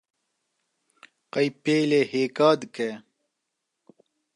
Qey pêlê hêka dike